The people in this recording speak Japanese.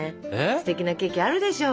ステキなケーキあるでしょ？